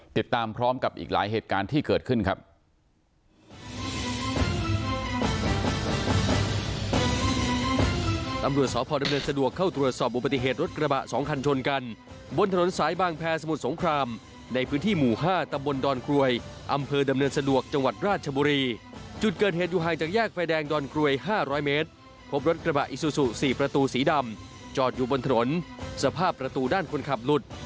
ติดตามพร้อมกับอีกหลายเหตุการณ์ที่เกิดขึ้นครับ